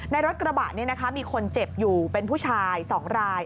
รถกระบะนี้นะคะมีคนเจ็บอยู่เป็นผู้ชาย๒ราย